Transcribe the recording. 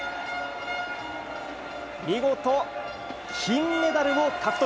見事、金メダルを獲得。